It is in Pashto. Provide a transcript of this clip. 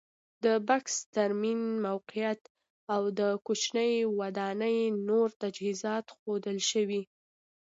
د بکس ترمینل موقعیت او د کوچنۍ ودانۍ نور تجهیزات ښودل شوي.